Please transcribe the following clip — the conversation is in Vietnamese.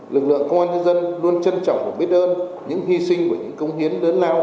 lực lượng công an nhân dân luôn trân trọng và biết ơn những hy sinh và những công hiến lớn lao